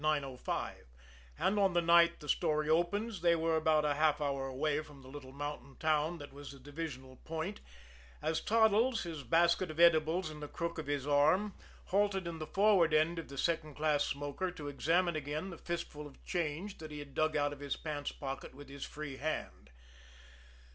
05; and, on the night the story opens, they were about an hour away from the little mountain town that was the divisional point, as Toddles, his basket of edibles in the crook of his arm, halted in the forward end of the second class smoker to examine again the fistful of change that he dug out of his pants pocket with his free hand.